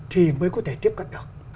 thì mới có thể tiếp cận được